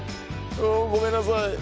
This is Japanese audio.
ごめんなさい。